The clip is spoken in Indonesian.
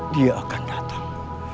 dia akan datang